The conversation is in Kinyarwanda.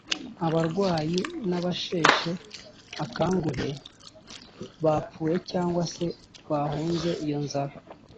abarwayi n’abasheshe akanguhe bapfuye cyangwa se bahunze iyo nzara